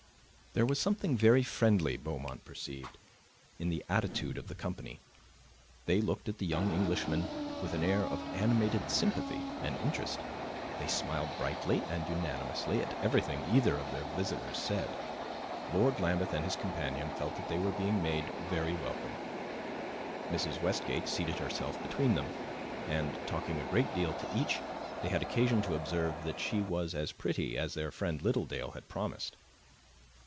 There was something very friendly, Beaumont perceived, in the attitude of the company; they looked at the young Englishmen with an air of animated sympathy and interest; they smiled, brightly and unanimously, at everything either of the visitors said. Lord Lambeth and his companion felt that they were being made very welcome. Mrs. Westgate seated herself between them, and, talking a great deal to each, they had occasion to observe that she was as pretty as their friend Littledale had promised.